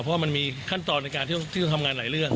เพราะว่ามันมีขั้นตอนในการที่จะทำงานหลายเรื่อง